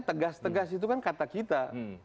tegas tegas itu kan kata kita